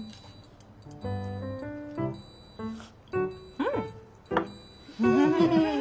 うん。